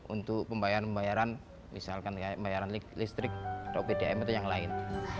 untuk pembayaran pembayaran misalkan pembayaran listrik atau pdm atau yang lain